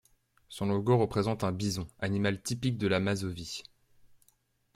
Son logo représente un bison, animal typique de la Mazovie.